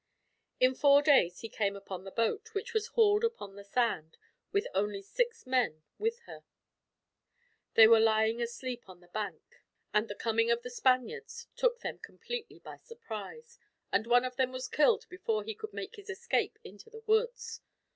In four days he came upon the boat, which was hauled upon the sand, with only six men with her. They were lying asleep on the bank, and the coming of the Spaniards took them completely by surprise, and one of them was killed before he could make his escape into the woods.